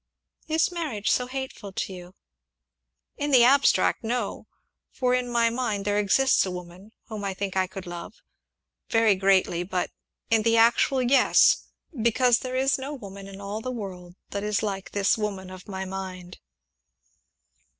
"Is marriage so hateful to you?" "In the abstract no; for in my mind there exists a woman whom I think I could love very greatly; but, in the actual yes, because there is no woman in all the world that is like this woman of my mind."